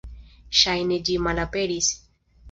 Ŝajne ĝi malaperis.